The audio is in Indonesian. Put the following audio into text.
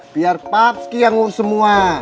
biar papsky yang ngurus semua